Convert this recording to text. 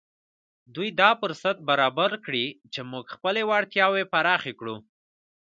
دوی دا فرصت برابر کړی چې موږ خپلې وړتياوې پراخې کړو.